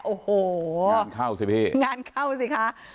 งานเข้าซิพี่งานเข้าซิค่ะ